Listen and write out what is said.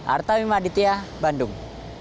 artami maditya bandung